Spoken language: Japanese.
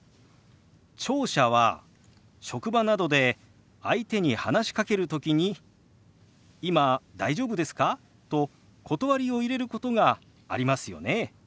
聴者は職場などで相手に話しかける時に「今大丈夫ですか？」と断りを入れることがありますよね？